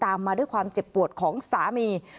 มาด้วยความเจ็บปวดของสามี